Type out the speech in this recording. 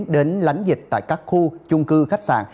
đến lánh dịch tại các khu chung cư khách sạn